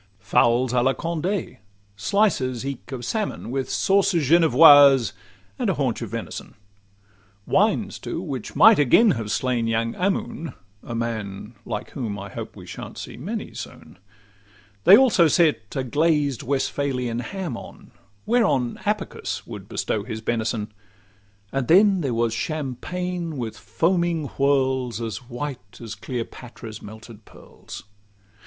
Fowls 'a la Conde,' slices eke of salmon, With 'sauces Genevoises,' and haunch of venison; Wines too, which might again have slain young Ammon— A man like whom I hope we shan't see many soon; They also set a glazed Westphalian ham on, Whereon Apicius would bestow his benison; And then there was champagne with foaming whirls, As white as Cleopatra's melted pearls.